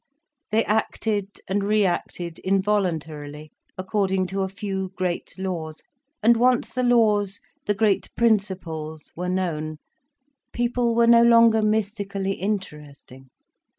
They acted and reacted involuntarily according to a few great laws, and once the laws, the great principles, were known, people were no longer mystically interesting.